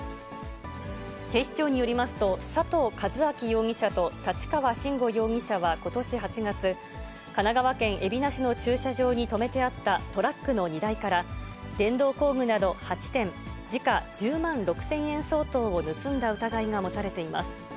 警視庁によりますと、佐藤一昭容疑者と立川真吾容疑者はことし８月、神奈川県海老名市の駐車場に止めてあったトラックの荷台から、電動工具など８点、時価１０万６０００円相当を盗んだ疑いが持たれています。